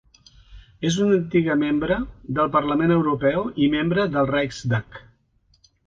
És una antiga membre del Parlament Europeu i membre del Riksdag.